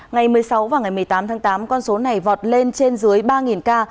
ngày một mươi sáu và ngày một mươi tám tháng tám con số này vọt lên trên dưới ba ca